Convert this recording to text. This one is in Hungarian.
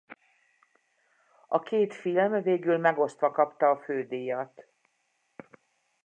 A két film végül megosztva kapta a fődíjat.